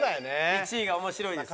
１位が「面白い」です。